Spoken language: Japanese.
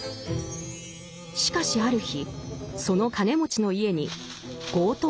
しかしある日その金持ちの家に強盗が侵入する。